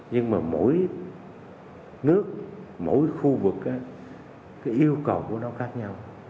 nhưng mà mỗi nước mỗi khu vực cái yêu cầu của nó khác nhau